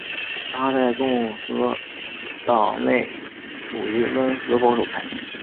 他在共和党内属于温和保守派。